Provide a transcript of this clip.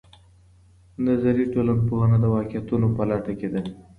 نظري ټولنپوهنه د واقعيتونو په لټه کې ده.